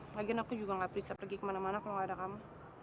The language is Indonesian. mungkin aku juga gak bisa pergi kemana mana kalau nggak ada kamu